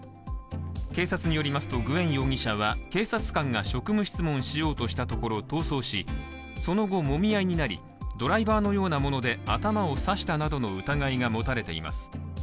警察によりますとグエン容疑者は警察官が職務質問しようとしたところ逃走し，その後もみ合いになりドライバーのようなもので頭を刺したなどの疑いが持たれています。